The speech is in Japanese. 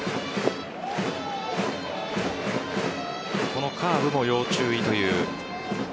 このカーブも要注意という。